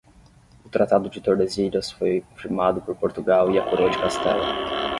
O Tratado de Tordesilhas foi firmado por Portugal e a Coroa de Castela